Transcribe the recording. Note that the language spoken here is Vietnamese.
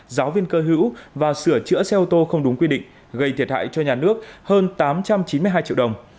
giáo viên cơ hữu và sửa chữa xe ô tô không đúng quy định gây thiệt hại cho nhà nước hơn tám trăm chín mươi hai triệu đồng